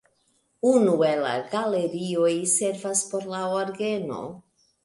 Unu el la galerioj servas por la orgeno.